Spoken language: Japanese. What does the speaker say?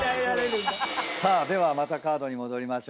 さあではまたカードに戻りましょう。